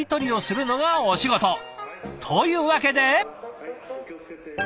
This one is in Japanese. というわけで。